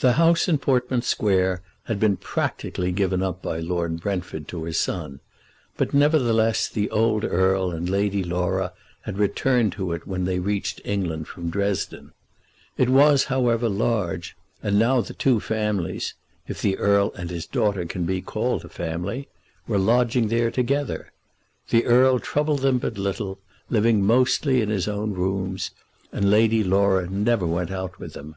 The house in Portman Square had been practically given up by Lord Brentford to his son; but nevertheless the old Earl and Lady Laura had returned to it when they reached England from Dresden. It was, however, large, and now the two families, if the Earl and his daughter can be called a family, were lodging there together. The Earl troubled them but little, living mostly in his own rooms, and Lady Laura never went out with them.